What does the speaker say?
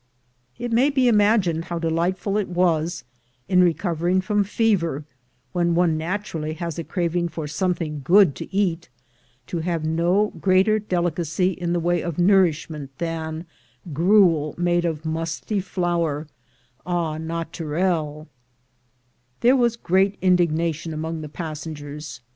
It may be imagined how delightful it was, in recovering from fever, when one naturally has a craving for something good to ACROSS THE ISTHMUS 49 cat, to have no greater delicacr in the way of nour ishment than gruel made of musty flour, au natureL There vr^s great indignadon among the passengers.